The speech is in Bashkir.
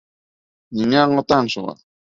Ниңә аңлатаһың шуға?